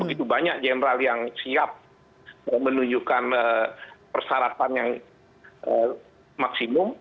itu banyak jenderal yang siap menunjukkan persyaratan yang maksimum